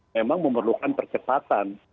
memang memerlukan percepatan